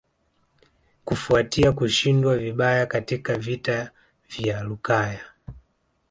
Kufuatia kushindwa vibaya katika vita vya Lukaya